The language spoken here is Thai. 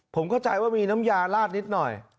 ผมเข้าใจว่ามีน้ำยาลาดนิดหน่อย